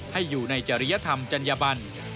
ให้อยู่ในจริยธรรมจัญญบัน